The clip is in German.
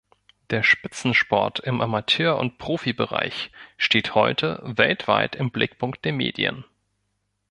Der Spitzensport im Amateur- und Profibereich steht heute weltweit im Blickpunkt der Medien.